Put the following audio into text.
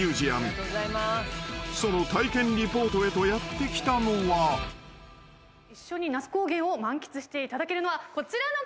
［その体験リポートへとやって来たのは］一緒に那須高原を満喫していただけるのはこちらの方です。